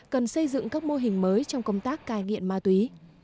cần xây dựng các mô hình mới trong công tác cai nghiện ma túy